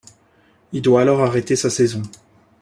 Il doit alors arrêter sa saison.